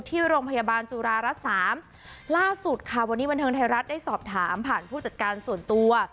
ที่โรงพยาบาลจุฬารัฐสามล่าสุดค่ะวันนี้บันเทิงไทยรัฐได้สอบถามผ่านผู้จัดการส่วนตัว